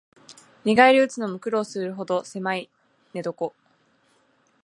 寝返りうつのも苦労するほどせまい寝床